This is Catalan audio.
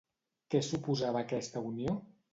Què suposava aquesta unió?